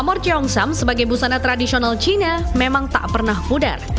memor ciongsam sebagai busana tradisional cina memang tak pernah pudar